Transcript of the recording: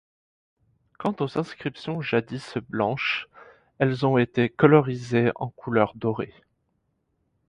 Quant aux inscriptions jadis blanches, elles ont été colorisées en couleur dorée.